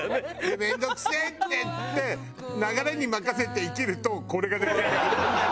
面倒くせえっていって流れに任せて生きるとこれが出来上がるんだよね。